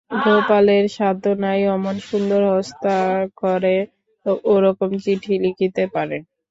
গোপালের সাধ্য নাই অমন সুন্দর হস্তাক্ষরে ওরকম চিঠি লিখিতে পারে।